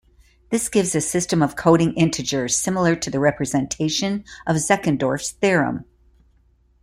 This gives a system of coding integers, similar to the representation of Zeckendorf's theorem.